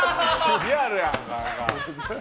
リアルやないか。